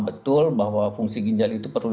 betul bahwa fungsi ginjal itu perlu